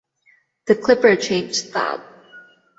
The Clipper changed that.